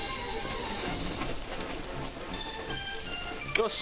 よし！